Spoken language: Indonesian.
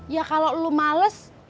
ya kalau lu males